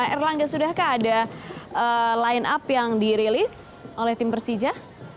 erlangga sudahkah ada line up yang dirilis oleh tim persija